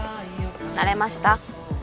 慣れました？